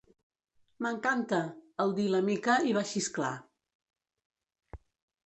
M'encanta! —el dir la Mica i va xisclar.